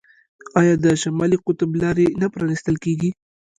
آیا د شمالي قطب لارې نه پرانیستل کیږي؟